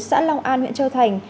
xã long an huyện châu thành